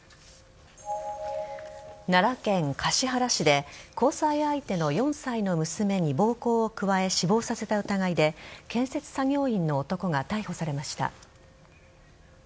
奈良県橿原市で交際相手の４歳の娘に暴行を加え死亡させた疑いで建設作業員の男が逮捕されました。